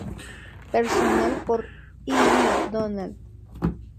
Personal por Ian McDonald.